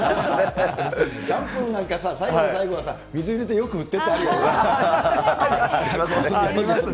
シャンプーなんて最後の最後はさ、水を入れてよく振ってってあるよね。ありますね。